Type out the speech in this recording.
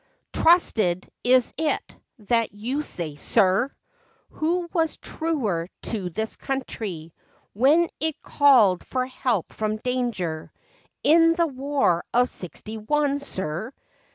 " Trusted, is it, that you say, sir ! Who was truer to this country When it called for help from danger In the war of sixty one, sir